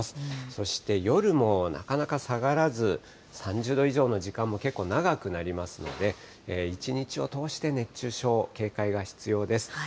そして、夜もなかなか下がらず、３０度以上の時間も結構長くなりますので、一日を通して熱中症、警戒が必要です。